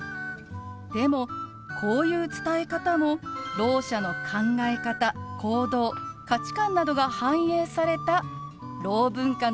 でもこういう伝え方もろう者の考え方・行動・価値観などが反映されたろう文化の一つなんですよ。